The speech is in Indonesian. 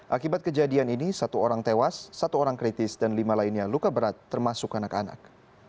akibat kejadian ini satu orang tewas satu orang kritis dan lima lainnya luka berat termasuk anak anak